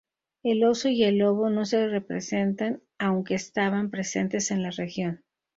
El oso y el lobo no se representan aunque estaban presentes en la región.